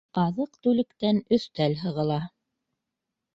Аҙыҡ-түлектән өҫтәл һығыла